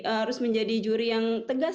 harus menjadi juri yang tegas